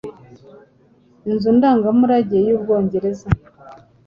Inzu Ndangamurage yUbwongereza